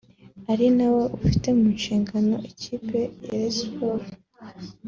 ari nawo ufite mu nshingano ikipe ya Rayon Sports